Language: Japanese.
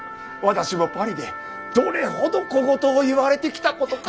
私もパリでどれほど小言を言われてきたことか。